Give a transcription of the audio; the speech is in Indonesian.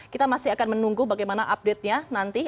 kita masih akan menunggu bagaimana update nya nanti